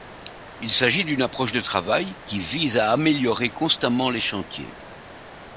Il s’agit d’une approche de travail qui vise à améliorer constamment les chantiers.